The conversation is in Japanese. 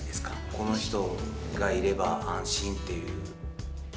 この人がいれば安心っていう。